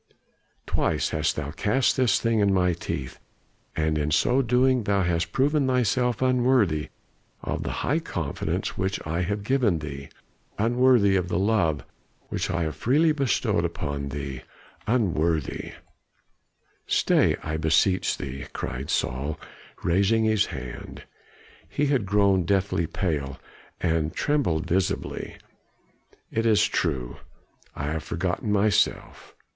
Twice hast thou cast this thing in my teeth, and in so doing thou hast proven thyself unworthy of the high confidence which I have given thee; unworthy of the love which I have freely bestowed upon thee; unworthy " "Stay, I beseech thee!" cried Saul, raising his hand. He had grown deathly pale, and trembled visibly. "It is true, I have forgotten myself.